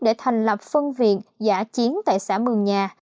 để thành lập phân viện giả chiến tại xã mường nhà